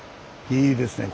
いいですね